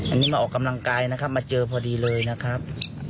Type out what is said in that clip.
อันนี้มาออกกำลังกายนะครับมาเจอพอดีเลยนะครับ